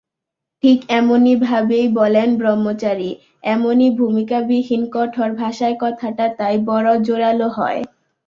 ঠিক এমনিভাবেই বলেন ব্রহ্মচারী, এমনি ভূমিকাবিহীন কঠোর ভাষায় কথাটা তাই বড় জোরালো হয়।